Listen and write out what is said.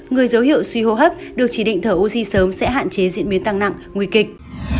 người dấu hiệu suy hô hấp được chỉ định thở oxy sớm sẽ hạn chế diễn biến tăng nặng nguy kịch